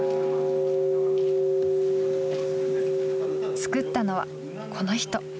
作ったのは、この人。